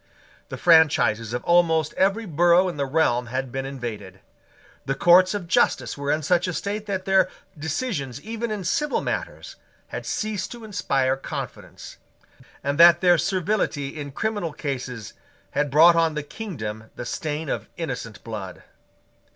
The franchises of almost every borough in the realm bad been invaded. The courts of justice were in such a state that their decisions, even in civil matters, had ceased to inspire confidence, and that their servility in criminal cases had brought on the kingdom the stain of innocent blood.